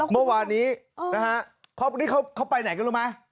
เมื่อวานี้ครอบครินที่เขาไปไหนก็รู้มั้ย